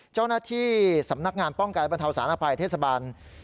เจ้าหน้าที่สำนักงานป้องกันบรรเทาสารภัยเทศบาล